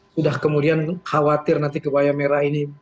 sudah kemudian khawatir nanti keboya merah ini berk dogma